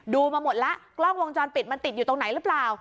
มาหมดแล้วกล้องวงจรปิดมันติดอยู่ตรงไหนหรือเปล่า